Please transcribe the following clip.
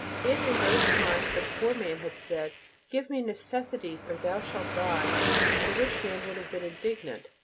If, in those times, the poor man had said, "Give me necessities, or thou shalt die," the rich man would have been indignant.